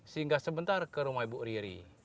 sehingga sebentar ke rumah ibu riri